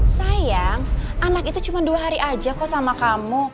sayang anak itu cuma dua hari aja kok sama kamu